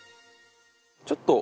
ちょっと。